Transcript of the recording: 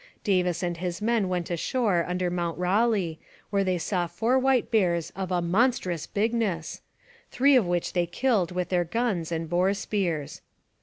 Davis and his men went ashore under Mount Raleigh, where they saw four white bears of 'a monstrous bigness,' three of which they killed with their guns and boar spears.